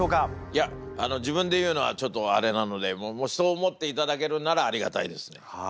いや自分で言うのはちょっとあれなのでそう思っていただけるならありがたいですね。